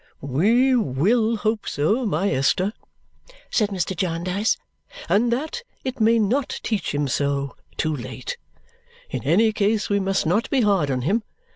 "We WILL hope so, my Esther," said Mr. Jarndyce, "and that it may not teach him so too late. In any case we must not be hard on him.